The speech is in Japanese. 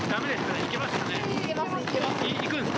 行くんですか？